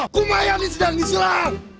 kumayan ini sedang diserang